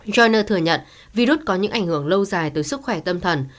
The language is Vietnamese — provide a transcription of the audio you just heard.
graner thừa nhận virus có những ảnh hưởng lâu dài tới sức khỏe tâm thần